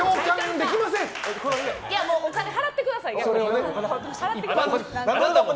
お金払ってください、逆に。